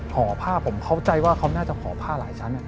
ห่อผ้าผมเข้าใจว่าเขาน่าจะห่อผ้าหลายชั้น